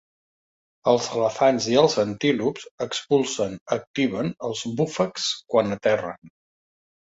Els elefants i els antílops expulsen activen els búfags quan aterren.